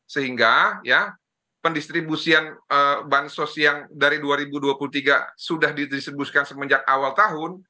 sehingga pendistribusian bansos yang dari dua ribu dua puluh tiga sudah didistribusikan semenjak awal tahun